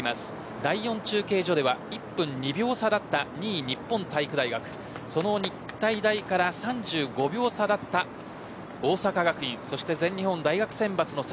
第４中継所では１分２秒差だった２位、日本体育大学その日体大から３５秒差だった大阪学院そして全日本大学選抜の差。